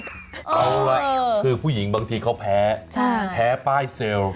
เอาล่ะคือผู้หญิงบางทีเขาแพ้แพ้ป้ายเซลล์